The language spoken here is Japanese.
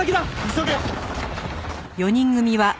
急げ！